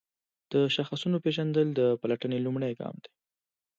د شاخصونو پیژندل د پلټنې لومړی ګام دی.